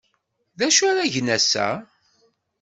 D acu ara gen ass-a?